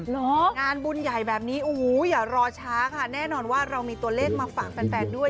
งานบุญใหญ่แบบนี้โอ้โหอย่ารอช้าค่ะแน่นอนว่าเรามีตัวเลขมาฝากแฟนด้วย